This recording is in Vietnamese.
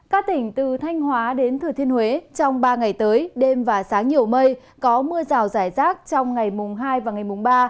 các tỉnh từ thanh hóa đến thừa thiên huế trong ba ngày tới đêm và sáng nhiều mây có mưa rào rải rác trong ngày mùng hai và ngày mùng ba